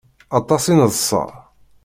Aṭas i neḍsa.